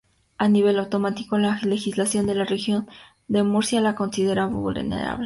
A nivel autonómico, la legislación de la Región de Murcia la considera 'vulnerable'.